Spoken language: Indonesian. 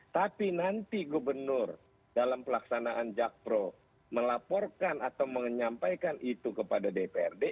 tapi nanti gubernur dalam pelaksanaan jakpro melaporkan atau menyampaikan itu kepada dprd